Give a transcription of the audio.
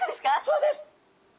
そうです！